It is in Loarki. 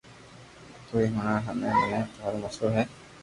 توئي ھڻاو ھمي مني ٿارو مئسلو ھي